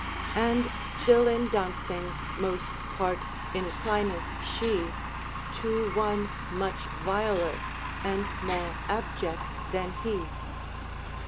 And still in dauncing moste parte inclineth she To one muche viler and more abject then he.